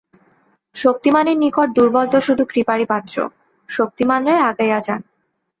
শক্তিমানের নিকট দুর্বল তো শুধু কৃপারই পাত্র! শক্তিমানরাই আগাইয়া যান।